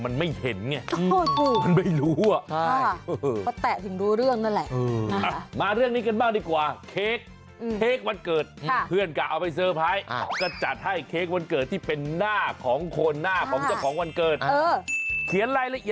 ใช่ครับตัวนี้ไฟฟ้าเรามันไม่เห็นไง